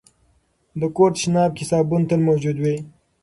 د کور تشناب کې صابون تل موجود وي.